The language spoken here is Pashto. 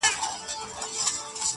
چی له خپلو انسانانو مو زړه شین سي٫